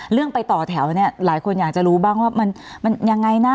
ไปต่อแถวเนี่ยหลายคนอยากจะรู้บ้างว่ามันยังไงนะ